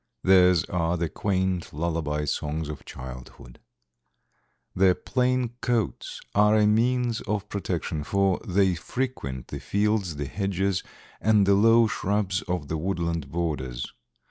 "Theirs are the quaint lullaby songs of childhood." Their plain coats are a means of protection, for they frequent the fields, the hedges and the low shrubs of the woodland borders.